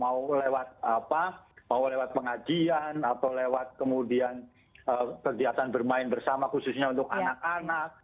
mau lewat apa mau lewat pengajian atau lewat kemudian kegiatan bermain bersama khususnya untuk anak anak